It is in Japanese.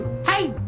はい！